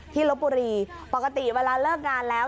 ลบบุรีปกติเวลาเลิกงานแล้ว